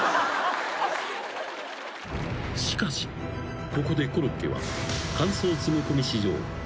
［しかしここでコロッケは］